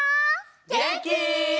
げんき？